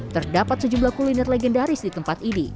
terdapat sejumlah kuliner legendaris di tempat ini